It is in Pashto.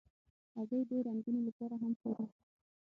هګۍ د رنګونو لپاره هم کارېږي.